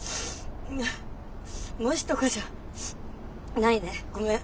もしとかじゃないねごめん。